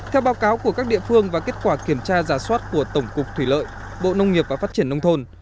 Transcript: theo báo cáo của các địa phương và kết quả kiểm tra giả soát của tổng cục thủy lợi bộ nông nghiệp và phát triển nông thôn